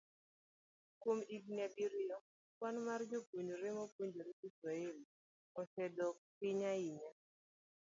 Kuom higini abiriyo, kwan mar jopuonjre mapuonjore Kiswahili osedok piny ahinya